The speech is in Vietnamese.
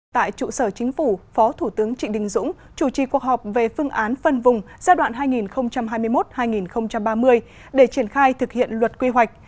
tại trụ sở chính phủ phó thủ tướng trịnh đình dũng chủ trì cuộc họp về phương án phân vùng giai đoạn hai nghìn hai mươi một hai nghìn ba mươi để triển khai thực hiện luật quy hoạch